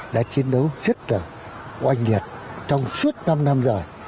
đã chiến đấu rất là oanh liệt trong suốt năm năm giờ